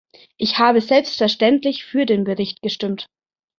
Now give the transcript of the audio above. Ich habe selbstverständlich für den Bericht gestimmt.